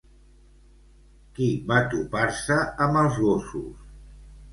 Qui va topar-se amb els gossos?